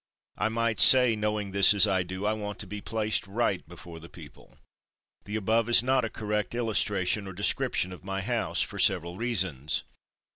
I might say, knowing this as I do, I want to be placed right before the people. The above is not a correct illustration or description of my house, for several reasons.